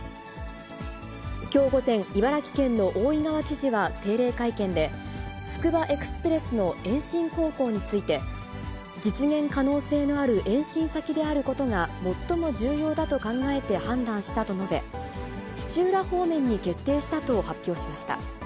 きょう午前、茨城県の大井川知事は定例会見で、つくばエクスプレスの延伸方向について、実現可能性のある延伸先であることが最も重要だと考えて判断したと述べ、土浦方面に決定したと発表しました。